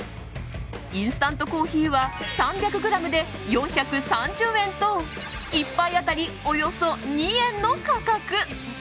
インスタントコーヒーは３００ｇで４６０円と１杯当たり、およそ２円の価格。